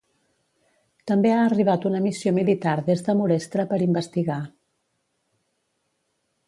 També ha arribat una missió militar des de Morestra per investigar.